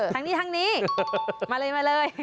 เฮ้ยทางนี้มาเลย